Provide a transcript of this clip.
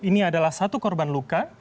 ini adalah satu korban luka